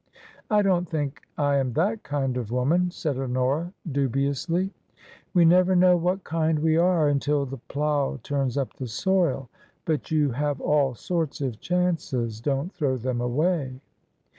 " I don't think I am that kind of woman," said Ho nora, dubiously. " We never know what ' kind' we are until the plough turns up the soil. But you have all sorts of chances. Don't throw them away."